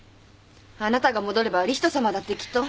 あなたが戻れば理人さまだってきっと。